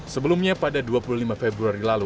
sebelumnya pada dua puluh lima februari lalu